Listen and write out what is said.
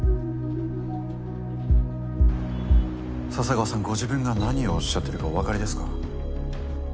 笹川さんご自分が何をおっしゃってるかおわかりですか？